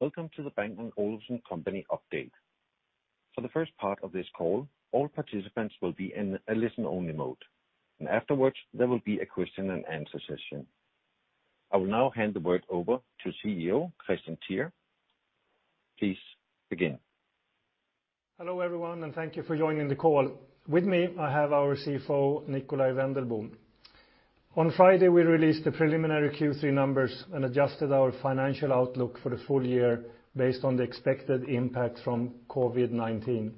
Welcome to the Bang & Olufsen Company update. For the first part of this call, all participants will be in a listen-only mode, and afterwards there will be a question-and-answer session. I will now hand the word over to CEO Kristian Teär. Please begin. Hello everyone, and thank you for joining the call. With me I have our CFO Nikolaj Wendelboe. On Friday we released the preliminary Q3 numbers and adjusted our financial outlook for the full year based on the expected impact from COVID-19.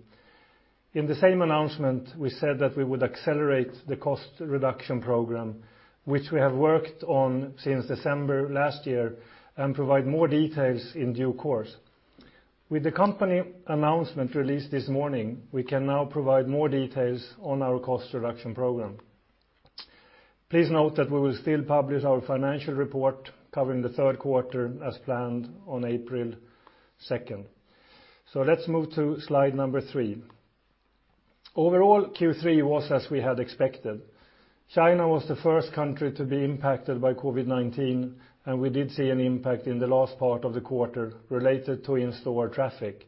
In the same announcement we said that we would accelerate the cost reduction program, which we have worked on since December last year, and provide more details in due course. With the company announcement released this morning we can now provide more details on our cost reduction program. Please note that we will still publish our financial report covering the third quarter as planned on April 2nd. So let's move to slide number 3. Overall Q3 was as we had expected. China was the first country to be impacted by COVID-19, and we did see an impact in the last part of the quarter related to in-store traffic.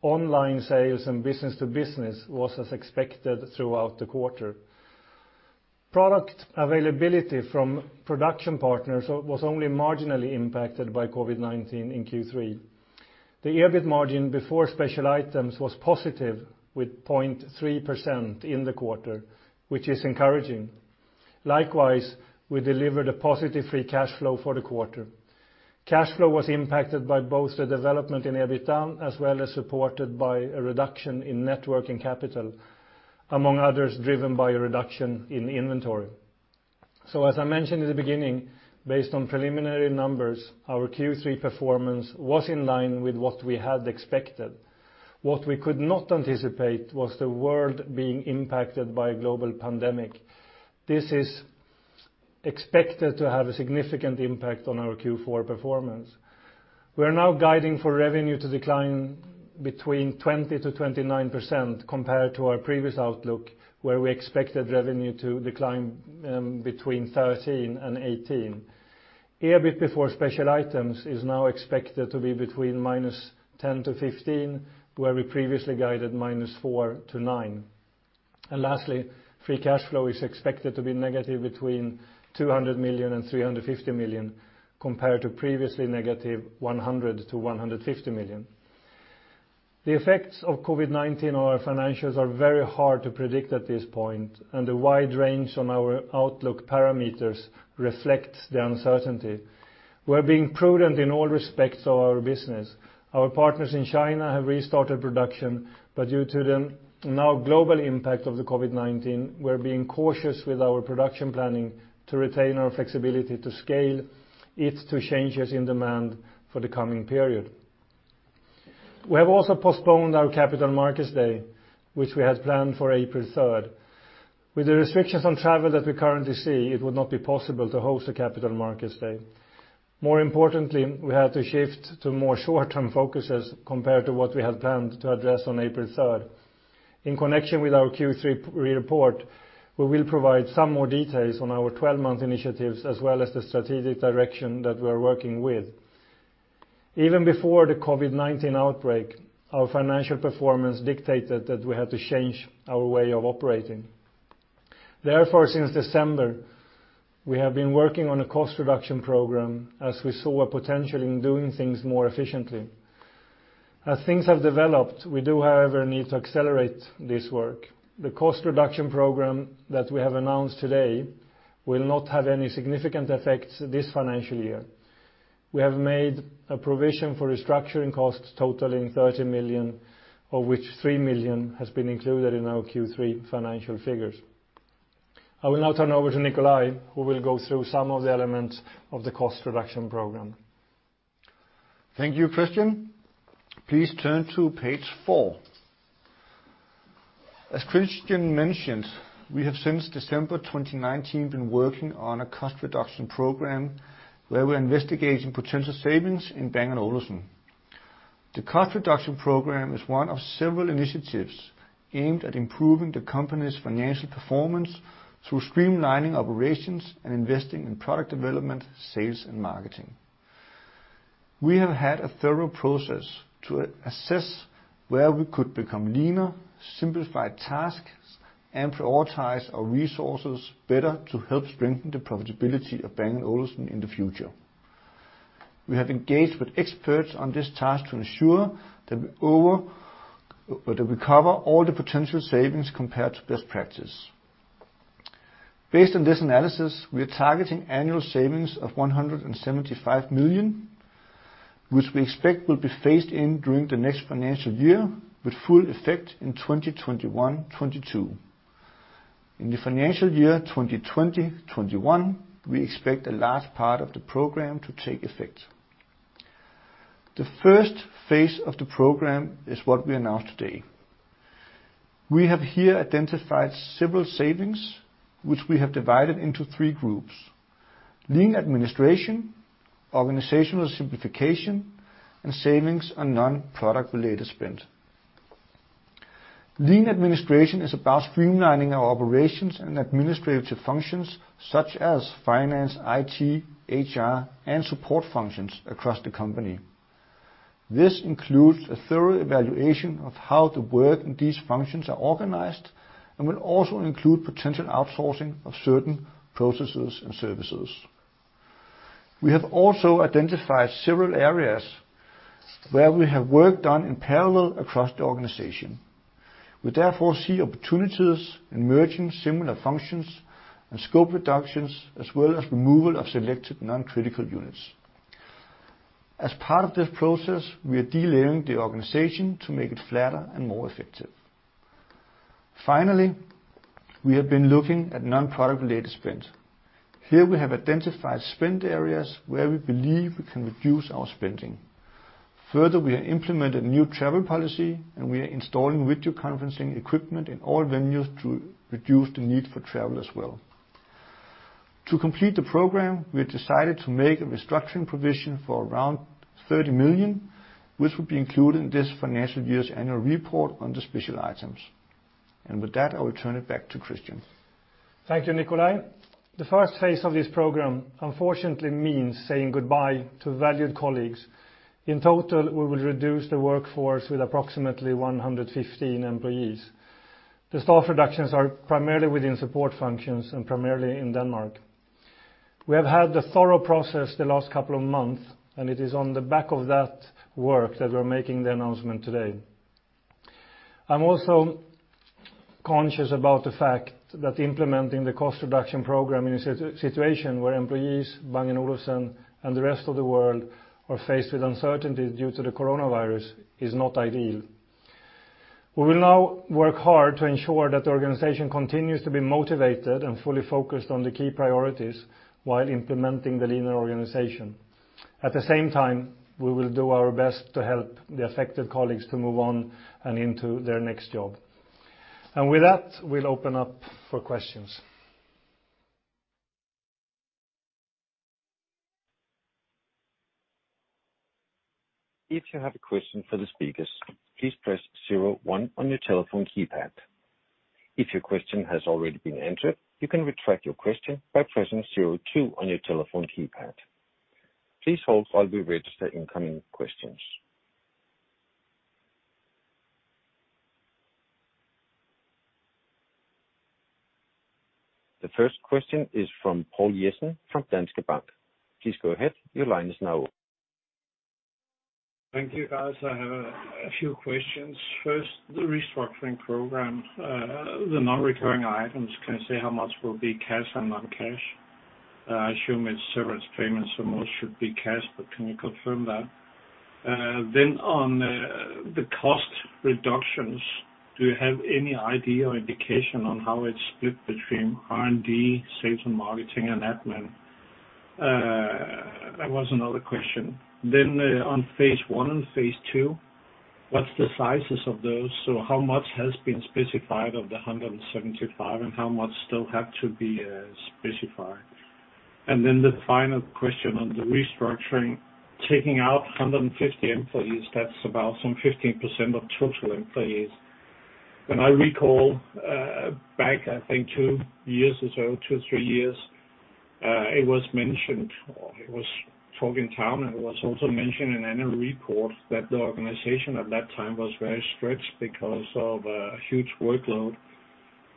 Online sales and business-to-business was as expected throughout the quarter. Product availability from production partners was only marginally impacted by COVID-19 in Q3. The EBIT margin before special items was positive with 0.3% in the quarter, which is encouraging. Likewise we delivered a positive free cash flow for the quarter. Cash flow was impacted by both the development in EBITDA as well as supported by a reduction in net working capital, among others driven by a reduction in inventory. So as I mentioned in the beginning, based on preliminary numbers our Q3 performance was in line with what we had expected. What we could not anticipate was the world being impacted by a global pandemic. This is expected to have a significant impact on our Q4 performance. We are now guiding for revenue to decline between 20%-29% compared to our previous outlook where we expected revenue to decline between 13%-18%. EBIT before special items is now expected to be between -10% to 15% where we previously guided -4% to 9%. And lastly, free cash flow is expected to be negative 200 million-350 million compared to previously negative 100 million-150 million. The effects of COVID-19 on our financials are very hard to predict at this point, and the wide range on our outlook parameters reflects the uncertainty. We are being prudent in all respects of our business. Our partners in China have restarted production, but due to the now global impact of the COVID-19 we are being cautious with our production planning to retain our flexibility to scale if to changes in demand for the coming period. We have also postponed our Capital Markets Day, which we had planned for April 3rd. With the restrictions on travel that we currently see, it would not be possible to host a Capital Markets Day. More importantly, we had to shift to more short-term focuses compared to what we had planned to address on April 3rd. In connection with our Q3 report, we will provide some more details on our 12-month initiatives as well as the strategic direction that we are working with. Even before the COVID-19 outbreak, our financial performance dictated that we had to change our way of operating. Therefore, since December, we have been working on a cost reduction program as we saw a potential in doing things more efficiently. As things have developed, we do however need to accelerate this work. The cost reduction program that we have announced today will not have any significant effects this financial year. We have made a provision for restructuring costs totaling 30 million, of which 3 million has been included in our Q3 financial figures. I will now turn over to Nikolaj who will go through some of the elements of the cost reduction program. Thank you Kristian. Please turn to page 4. As Kristian mentioned we have since December 2019 been working on a cost reduction program where we are investigating potential savings in Bang & Olufsen. The cost reduction program is one of several initiatives aimed at improving the company's financial performance through streamlining operations and investing in product development, sales, and marketing. We have had a thorough process to assess where we could become leaner, simplify tasks, and prioritize our resources better to help strengthen the profitability of Bang & Olufsen in the future. We have engaged with experts on this task to ensure that we cover all the potential savings compared to best practice. Based on this analysis we are targeting annual savings of 175 million, which we expect will be phased in during the next financial year with full effect in 2021-22. In the financial year 2020-21 we expect a large part of the program to take effect. The first phase of the program is what we announced today. We have here identified several savings, which we have divided into three groups: lean administration, organizational simplification, and savings on non-product-related spend. Lean administration is about streamlining our operations and administrative functions such as finance, IT, HR, and support functions across the company. This includes a thorough evaluation of how the work in these functions is organized and will also include potential outsourcing of certain processes and services. We have also identified several areas where we have work done in parallel across the organization. We therefore see opportunities in merging similar functions and scope reductions as well as removal of selected non-critical units. As part of this process we are de-layering the organization to make it flatter and more effective. Finally we have been looking at non-product-related spend. Here we have identified spend areas where we believe we can reduce our spending. Further we have implemented new travel policy and we are installing video conferencing equipment in all venues to reduce the need for travel as well. To complete the program we have decided to make a restructuring provision for around 30 million, which will be included in this financial year's annual report on the special items. And with that I will turn it back to Kristian. Thank you Nikolaj. The first phase of this program unfortunately means saying goodbye to valued colleagues. In total we will reduce the workforce with approximately 115 employees. The staff reductions are primarily within support functions and primarily in Denmark. We have had a thorough process the last couple of months and it is on the back of that work that we are making the announcement today. I'm also conscious about the fact that implementing the cost reduction program in a situation where employees, Bang & Olufsen, and the rest of the world are faced with uncertainty due to the coronavirus is not ideal. We will now work hard to ensure that the organization continues to be motivated and fully focused on the key priorities while implementing the leaner organization. At the same time we will do our best to help the affected colleagues to move on and into their next job. And with that we'll open up for questions. If you have a question for the speakers, please press 01 on your telephone keypad. If your question has already been answered, you can retract your question by pressing 02 on your telephone keypad. Please hold while we register incoming questions. The first question is from Poul Jessen from Danske Bank. Please go ahead, your line is now open. Thank you guys. I have a few questions. First, the restructuring program, the non-recurring items, can you say how much will be cash and non-cash? I assume it's severance payments, so most should be cash, but can you confirm that? Then, on the cost reductions, do you have any idea or indication on how it's split between R&D, sales and marketing, and admin? That was another question. Then, on phase I and phase II, what's the sizes of those? So, how much has been specified of the 175 and how much still has to be specified? And then, the final question on the restructuring, taking out 150 employees, that's about some 15% of total employees. When I recall back I think 2 years or so, 2 or 3 years it was mentioned, it was talk in town and it was also mentioned in annual report that the organization at that time was very stretched because of a huge workload.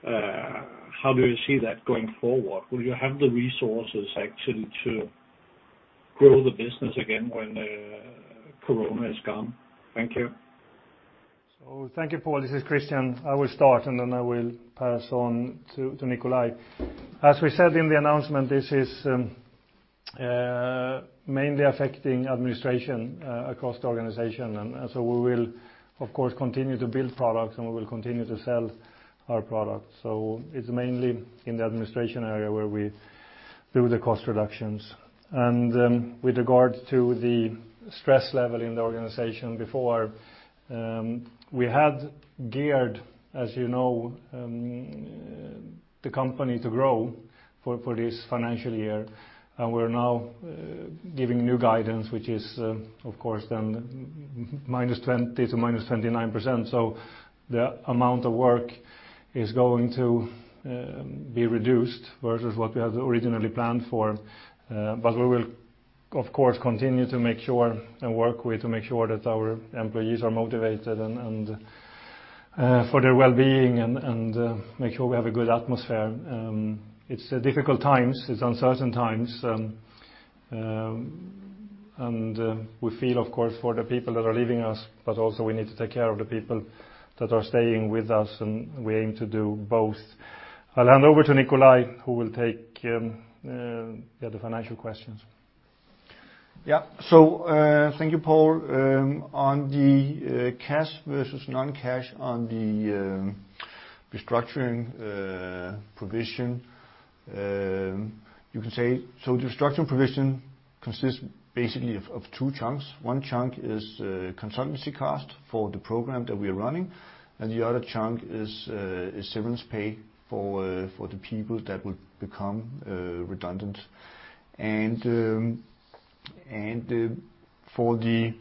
How do you see that going forward? Will you have the resources actually to grow the business again when corona is gone? Thank you. So thank you Poul. This is Kristian. I will start and then I will pass on to Nikolaj. As we said in the announcement this is mainly affecting administration across the organization and so we will of course continue to build products and we will continue to sell our products. So it's mainly in the administration area where we do the cost reductions. And with regard to the stress level in the organization before we had geared, as you know, the company to grow for this financial year and we're now giving new guidance which is of course then -20%-29%. So the amount of work is going to be reduced versus what we had originally planned for. But we will of course continue to make sure and work with to make sure that our employees are motivated and for their well-being and make sure we have a good atmosphere. It's difficult times, it's uncertain times. And we feel of course for the people that are leaving us but also we need to take care of the people that are staying with us and we aim to do both. I'll hand over to Nikolaj who will take the financial questions. Yeah. So thank you, Poul. On the cash versus non-cash on the restructuring provision, you can say so the restructuring provision consists basically of two chunks. One chunk is consultancy cost for the program that we are running and the other chunk is severance pay for the people that will become redundant. And for the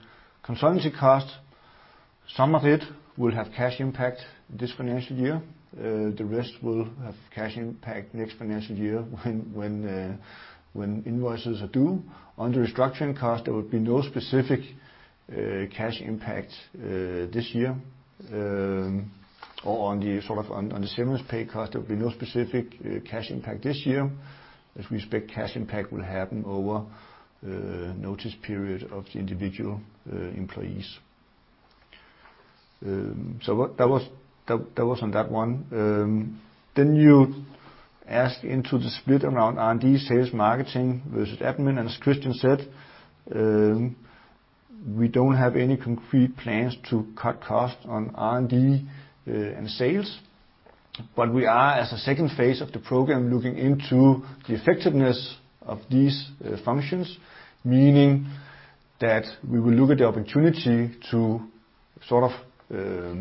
consultancy cost, some of it will have cash impact this financial year. The rest will have cash impact next financial year when invoices are due. On the restructuring cost, there will be no specific cash impact this year. Or on the severance pay cost, there will be no specific cash impact this year as we expect cash impact will happen over notice period of the individual employees. So that was on that one. Then you ask into the split around R&D, sales, marketing versus admin, and as Kristian said, we don't have any concrete plans to cut costs on R&D and sales. But we are, as a second phase of the program, looking into the effectiveness of these functions. Meaning that we will look at the opportunity to sort of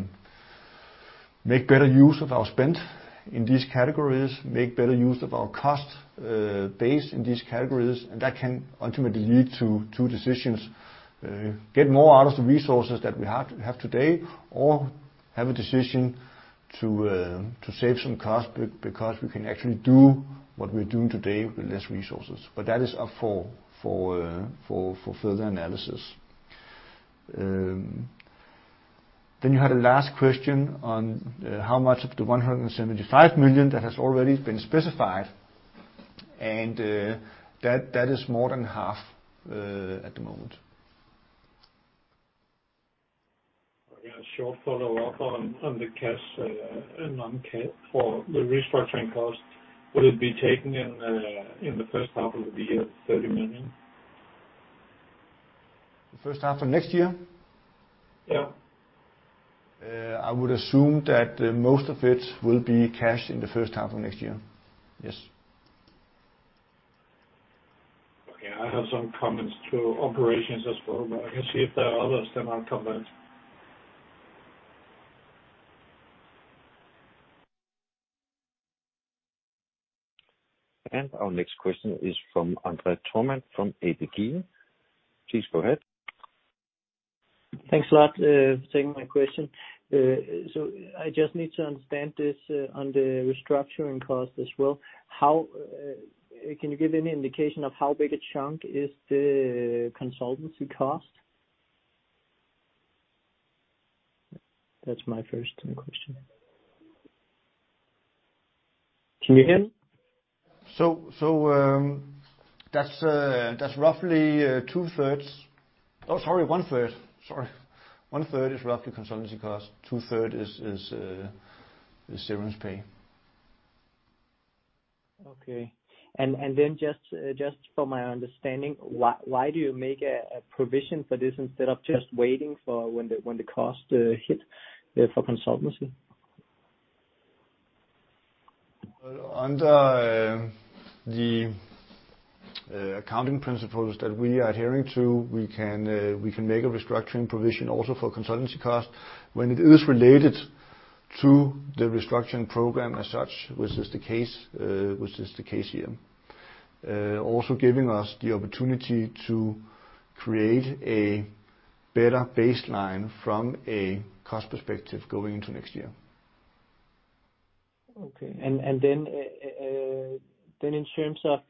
make better use of our spend in these categories, make better use of our cost base in these categories, and that can ultimately lead to two decisions: get more out of the resources that we have today or have a decision to save some costs because we can actually do what we're doing today with less resources. But that is up for further analysis. Then you had a last question on how much of the 175 million that has already been specified, and that is more than half at the moment. I have a short follow-up on the cash and non-cash. For the restructuring costs, will it be taken in the first half of the year 30 million? The first half of next year? Yeah. I would assume that most of it will be cash in the first half of next year. Yes. Okay. I have some comments to operations as well but I can see if there are others then I'll come back. Our next question is from André Thormann from ABG. Please go ahead. Thanks a lot for taking my question. So I just need to understand this on the restructuring costs as well. Can you give any indication of how big a chunk is the consultancy cost? That's my first question. Can you hear me? That's roughly one-third. One-third is roughly consultancy costs. Two-thirds is severance pay. Okay. And then just for my understanding why do you make a provision for this instead of just waiting for when the cost hit for consultancy? Under the accounting principles that we are adhering to, we can make a restructuring provision also for consultancy costs when it is related to the restructuring program as such, which is the case with this, the case here. Also, giving us the opportunity to create a better baseline from a cost perspective going into next year. Okay. And then in terms of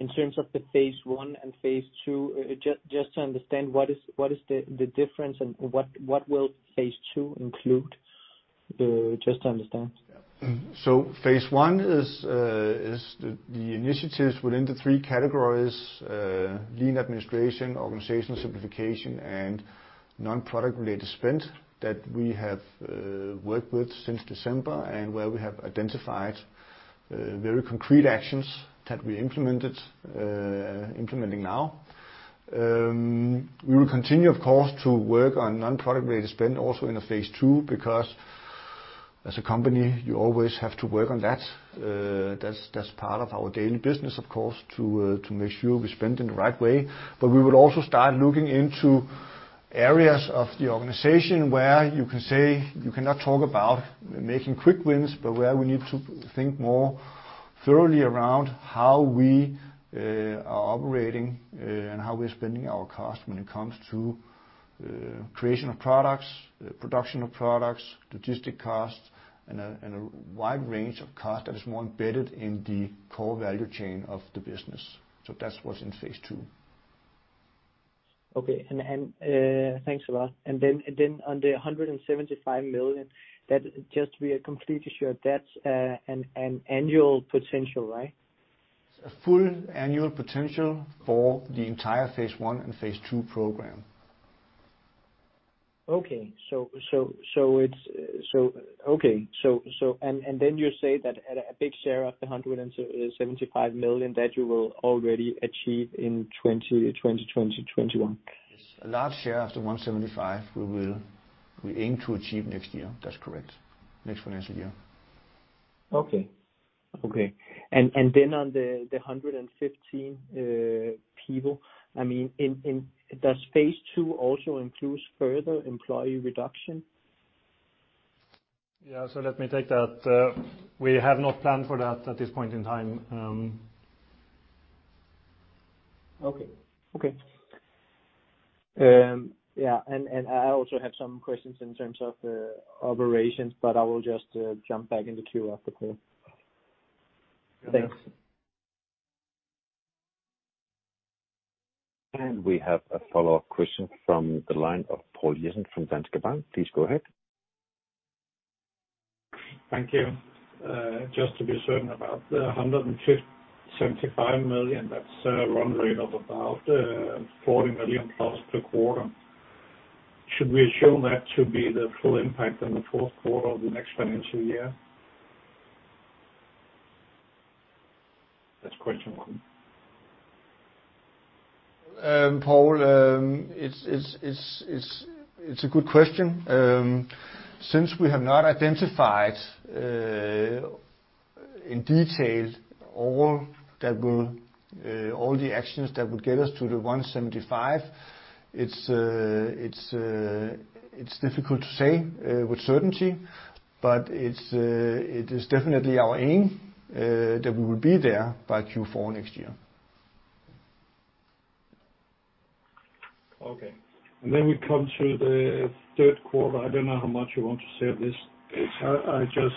the phase I and phase II just to understand what is the difference and what will phase II include? Just to understand. Phase I is the initiatives within the three categories: lean administration, organizational simplification, and non-product-related spend that we have worked with since December and where we have identified very concrete actions that we implemented implementing now. We will continue of course to work on non-product-related spend also in a phase II because as a company you always have to work on that. That's part of our daily business of course to make sure we spend in the right way. But we will also start looking into areas of the organization where you can say you cannot talk about making quick wins but where we need to think more thoroughly around how we are operating and how we are spending our costs when it comes to creation of products, production of products, logistic costs, and a wide range of costs that is more embedded in the core value chain of the business. So that's what's in phase II. Okay. Thanks a lot. Then on the 175 million just to be completely sure that's an annual potential, right? Full annual potential for the entire phase I and phase II program. Okay. So, okay. And then you say that a big share of the 175 million that you will already achieve in 2020, 2021? Yes. A large share of the 175 we will aim to achieve next year. That's correct. Next financial year. Okay. Okay. And then on the 115 people I mean does phase II also include further employee reduction? Yeah. So let me take that. We have not planned for that at this point in time. Okay. Okay. Yeah. And I also have some questions in terms of operations but I will just jump back into queue after Poul. Thanks. We have a follow-up question from the line of Poul Jessen from Danske Bank. Please go ahead. Thank you. Just to be certain about the 175 million that's run rate of about 40 million plus per quarter. Should we assume that to be the full impact in the fourth quarter of the next financial year? That's question one. Poul, it's a good question. Since we have not identified in detail all the actions that will get us to the 175, it's difficult to say with certainty. But it is definitely our aim that we will be there by Q4 next year. Okay. Then we come to the third quarter. I don't know how much you want to say of this. I just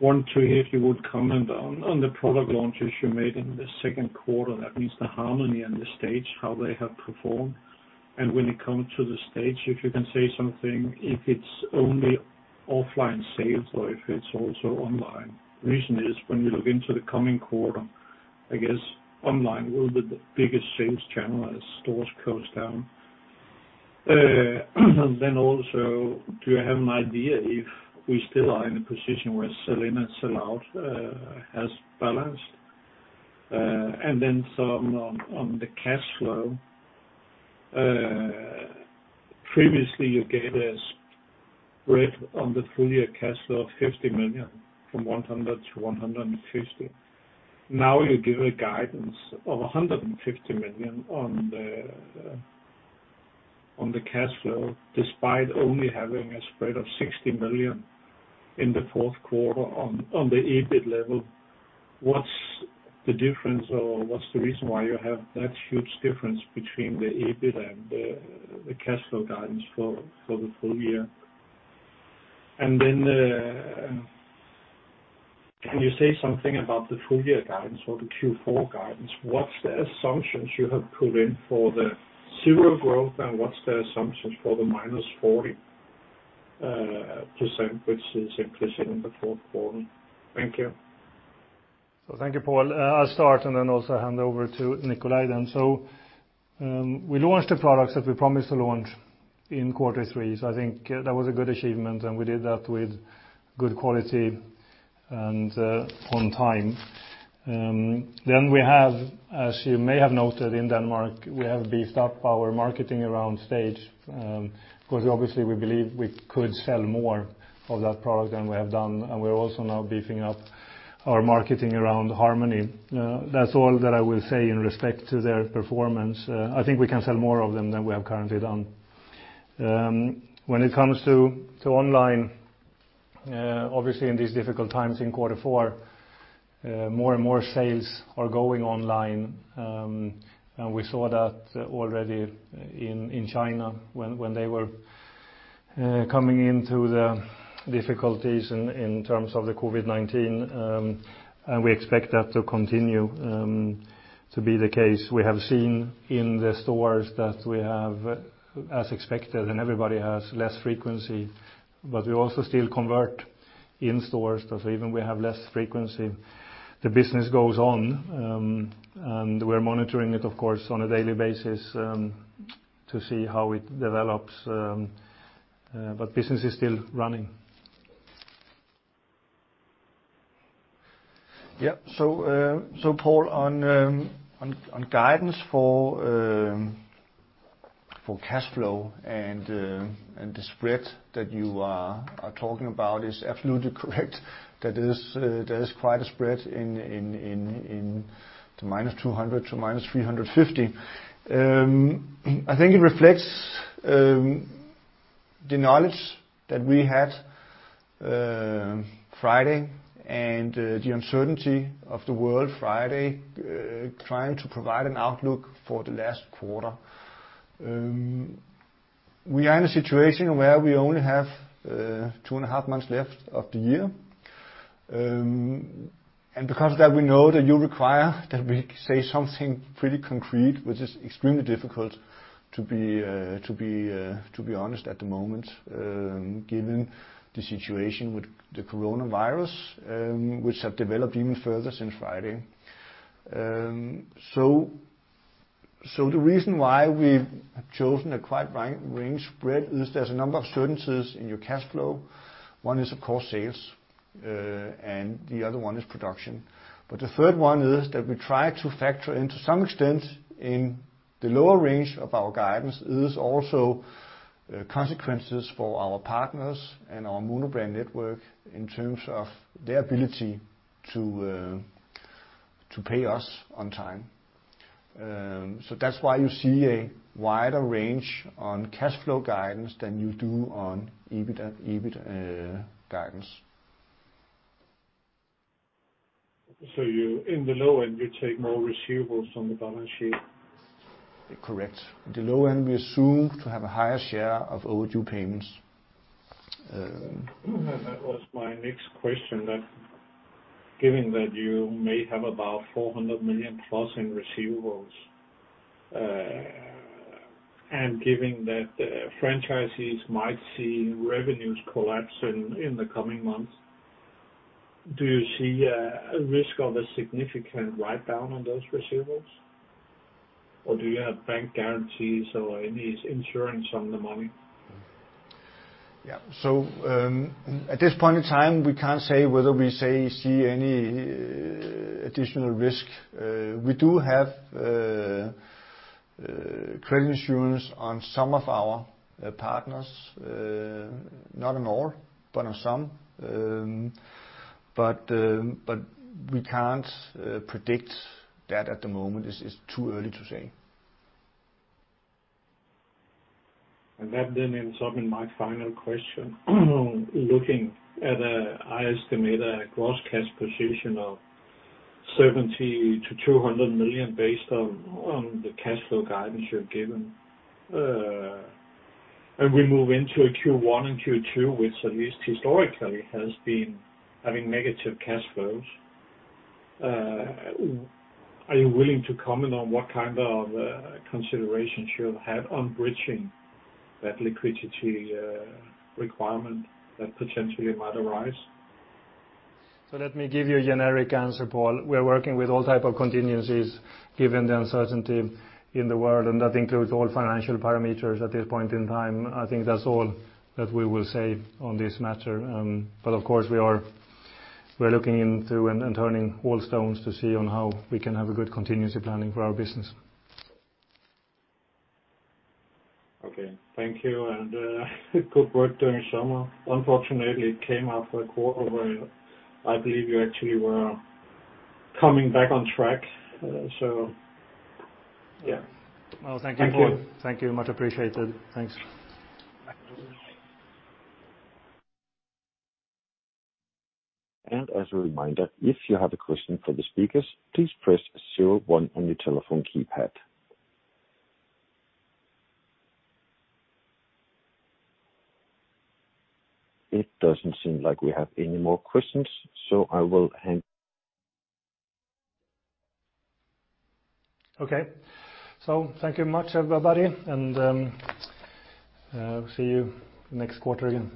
want to hear if you would comment on the product launches you made in the second quarter. That means the Harmony and the Stage, how they have performed. And when it comes to the Stage, if you can say something if it's only offline sales or if it's also online. The reason is, when you look into the coming quarter, I guess online will be the biggest sales channel as stores close down. Then, also, do you have an idea if we still are in a position where sell-in and sell-out has balanced? And then some on the cash flow. Previously you gave a spread on the full year cash flow of 50 million from 100 million-150 million. Now you give a guidance of 150 million on the cash flow despite only having a spread of 60 million in the fourth quarter on the EBIT level. What's the difference or what's the reason why you have that huge difference between the EBIT and the cash flow guidance for the full year? And then can you say something about the full year guidance or the Q4 guidance? What's the assumptions you have put in for the zero growth and what's the assumptions for the -40% which is inclusive in the fourth quarter? Thank you. So thank you Poul. I'll start and then also hand over to Nikolaj then. So we launched the products that we promised to launch in quarter three so I think that was a good achievement and we did that with good quality and on time. Then we have, as you may have noted, in Denmark we have beefed up our marketing around Stage. Because obviously we believe we could sell more of that product than we have done and we're also now beefing up our marketing around Harmony. That's all that I will say in respect to their performance. I think we can sell more of them than we have currently done. When it comes to online, obviously in these difficult times in quarter four, more and more sales are going online, and we saw that already in China when they were coming into the difficulties in terms of the COVID-19, and we expect that to continue to be the case. We have seen in the stores that we have, as expected and everybody has, less frequency. But we also still convert in stores, so even we have less frequency the business goes on, and we're monitoring it of course on a daily basis to see how it develops. But business is still running. Yeah. So Poul on guidance for cash flow and the spread that you are talking about is absolutely correct. That is quite a spread in the -200 to -350 DKK. I think it reflects the knowledge that we had Friday and the uncertainty of the world Friday trying to provide an outlook for the last quarter. We are in a situation where we only have two and a half months left of the year. And because of that we know that you require that we say something pretty concrete which is extremely difficult to be honest at the moment given the situation with the coronavirus which have developed even further since Friday. So the reason why we have chosen a quite wide range spread is there's a number of certainties in your cash flow. One is of course sales and the other one is production. But the third one is that we try to factor into some extent in the lower range of our guidance is also consequences for our partners and our monobrand Network in terms of their ability to pay us on time. So that's why you see a wider range on cash flow guidance than you do on EBIT guidance. In the low end you take more receivables from the balance sheet? Correct. In the low end we assume to have a higher share of overdue payments. That was my next question, that given that you may have about 400 million+ in receivables and given that franchisees might see revenues collapse in the coming months, do you see a risk of a significant write-down on those receivables? Or do you have bank guarantees or any insurance on the money? Yeah. At this point in time we can't say whether we see any additional risk. We do have credit insurance on some of our partners. Not on all but on some. We can't predict that at the moment. It's too early to say. That then ends up in my final question. Looking at an estimated gross cash position of 70 million-200 million based on the cash flow guidance you've given and we move into a Q1 and Q2 which at least historically has been having negative cash flows, are you willing to comment on what kind of considerations you have had on bridging that liquidity requirement that potentially might arise? So let me give you a generic answer Poul. We're working with all type of contingencies given the uncertainty in the world and that includes all financial parameters at this point in time. I think that's all that we will say on this matter. But of course we are looking into and turning all stones to see on how we can have a good contingency planning for our business. Okay. Thank you and good work during summer. Unfortunately it came up a quarter where I believe you actually were coming back on track, so yeah. Well, thank you, Poul. Thank you. Thank you. Much appreciated. Thanks. As a reminder if you have a question for the speakers please press zero, one on your telephone keypad. It doesn't seem like we have any more questions so I will hand. Okay. Thank you much everybody and see you next quarter here.